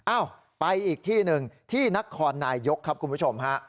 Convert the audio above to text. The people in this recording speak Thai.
อ้าวไปอีกที่หนึ่งที่นครนายยกครับคุณผู้ชมฮะ